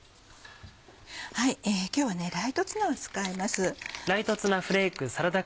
今日は「ライトツナ」を使います。